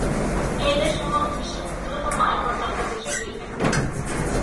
এই দেশ উন্নত বিশ্বের ক্ষুদ্রতম আয়কর দাতা দেশগুলির একটি।